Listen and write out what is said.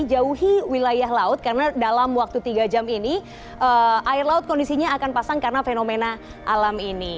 jauhi wilayah laut karena dalam waktu tiga jam ini air laut kondisinya akan pasang karena fenomena alam ini